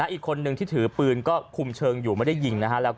อีกคนนึงที่ถือปืนก็คุมเชิงอยู่ไม่ได้ยิงนะฮะ